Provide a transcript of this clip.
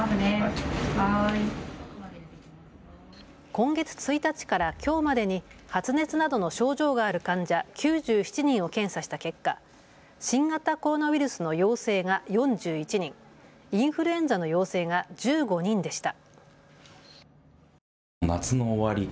今月１日からきょうまでに発熱などの症状がある患者９７人を検査した結果、新型コロナウイルスの陽性が４１人、インフルエンザの陽性が１５人でした。